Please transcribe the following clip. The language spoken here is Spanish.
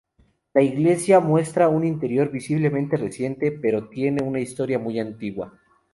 La iglesia muestra un interior visiblemente reciente, pero tiene una historia muy antigua.